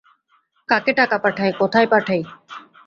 কাকে টাকা পাঠাই, কোথায় পাঠাই।